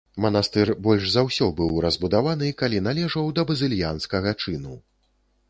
Манастыр больш за ўсё быў разбудованы, калі належаў да базыльянскага чыну.